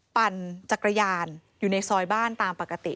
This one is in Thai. ปั่นจักรยานอยู่ในซอยบ้านตามปกติ